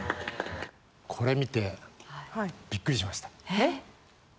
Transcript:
これ見てびっくりしました。